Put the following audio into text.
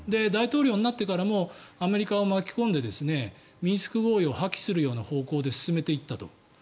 大統領になってからもアメリカを巻き込んでミンスク合意を破棄する方向で進んでいったと。